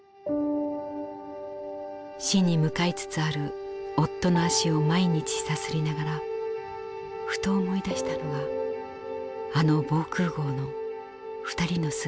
死に向かいつつある夫の足を毎日さすりながらふと思い出したのがあの防空壕の２人の姿でした。